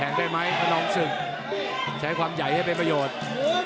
แผ่นได้ไหมอลองซึ่งใช้ความใหญ่ให้เป็นประโยชน์